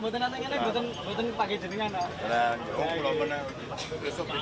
di tempat yang asli di jemaah